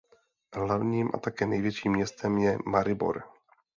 Hlavním a také největším městem je Maribor.